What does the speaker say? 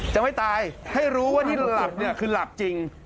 จะไม่ตายให้รู้ว่าที่หลับเนี่ยคือหลับจริง